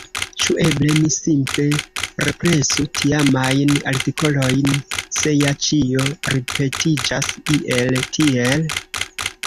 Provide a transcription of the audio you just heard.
Ĉu eble ni simple represu tiamajn artikolojn, se ja ĉio ripetiĝas, iel tiel?